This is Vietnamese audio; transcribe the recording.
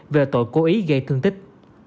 về tội cố ý gây thương tích